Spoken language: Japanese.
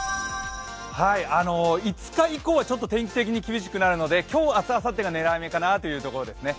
５日以降は天気的に厳しくなるので今日、明日、あさってが狙い目かなという感じですね。